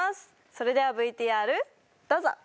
それではＶＴＲどうぞ！